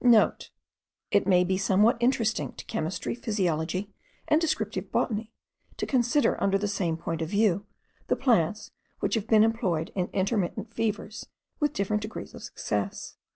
*(* It may be somewhat interesting to chemistry, physiology, and descriptive botany, to consider under the same point of view the plants which have been employed in intermittent fevers with different degrees of success.